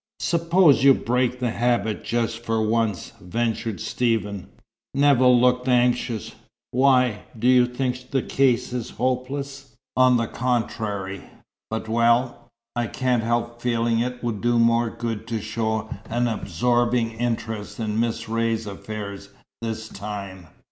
"Suppose you break the habit just for once," ventured Stephen. Nevill looked anxious. "Why, do you think the case is hopeless?" "On the contrary. But well, I can't help feeling it would do you more good to show an absorbing interest in Miss Ray's affairs, this time."